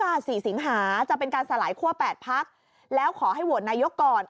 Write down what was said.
๔สิงหาจะเป็นการสลายคั่ว๘พักแล้วขอให้โหวตนายกก่อน